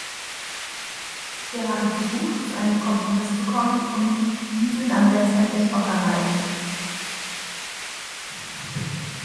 Wir haben versucht, zu einem Kompromiss zu kommen und diesen dann letztendlich auch erreicht.